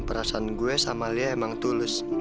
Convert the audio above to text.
perasaan gue sama lia emang tulus